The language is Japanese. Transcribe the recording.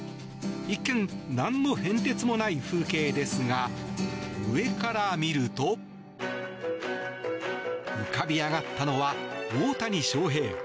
一見、なんの変哲もない風景ですが上から見ると浮かび上がったのは大谷翔平。